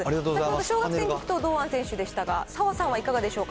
小学生に聞くと堂安選手でしたが、澤さんはいかがでしょうか？